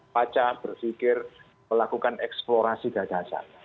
baca berfikir melakukan eksplorasi gagasan